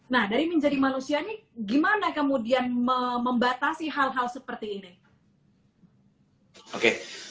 nah dari menjadi manusia nih gimana kemudian membatasi hal hal seperti ini